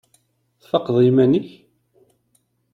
Tfaqeḍ i yiman-ik?